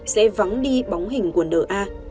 sẽ vắng đi bóng hình quần đỡ a